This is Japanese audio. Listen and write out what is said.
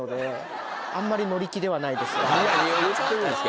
何を言ってるんですか。